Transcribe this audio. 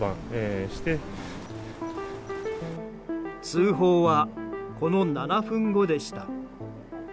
通報は、この７分後でした。